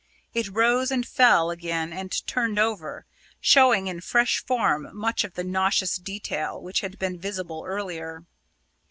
It rose and fell again and turned over, showing in fresh form much of the nauseous detail which had been visible earlier.